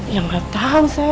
ya gak tau say